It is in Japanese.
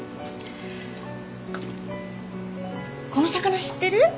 この魚知ってる？